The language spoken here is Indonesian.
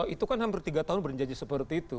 itu kan hampir tiga tahun berjanji seperti itu